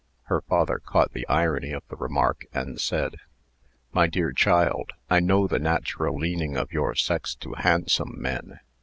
Her father caught the irony of the remark, and said: "My dear child, I know the natural leaning of your sex to handsome men.